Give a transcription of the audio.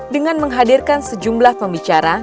dengan menghadirkan sejumlah pembicara